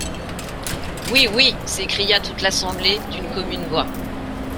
Oui ! oui ! s’écria toute l’assemblée d’une commune voix